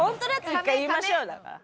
１回言いましょうよだから。